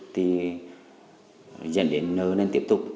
thì dành đến nơi nền tiếp tục